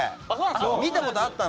見たことあったの。